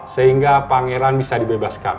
sehingga pangeran bisa dibebaskan